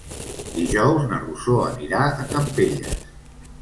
Dijous na Rosó anirà a Campelles.